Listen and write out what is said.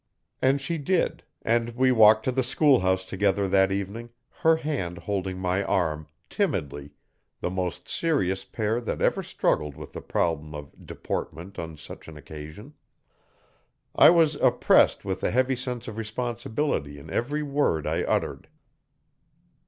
And she did, and we walked to the schoolhouse together that evening, her hand holding my arm, timidly, the most serious pair that ever struggled with the problem of deportment on such an occasion. I was oppressed with a heavy sense of responsibility in every word I uttered.